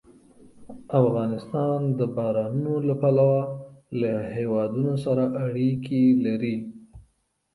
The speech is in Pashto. افغانستان د بارانونو له پلوه له هېوادونو سره اړیکې لري.